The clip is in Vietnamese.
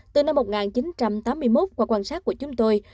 từ năm một nghìn chín trăm tám mươi một qua quan sát của chúng tôi